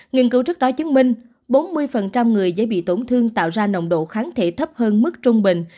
nghiên cứu trước đó chứng minh bốn mươi người dễ bị tổn thương tạo ra nồng độ kháng thể thấp hơn mức trung bình